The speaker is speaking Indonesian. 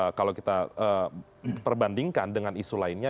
dan kalau kita perbandingkan dengan isu lainnya